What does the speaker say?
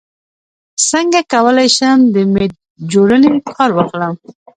څنګه کولی شم د میډجورني کار واخلم